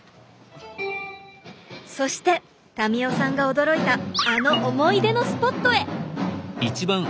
そして民生さんが驚いたあの思い出のスポットへ！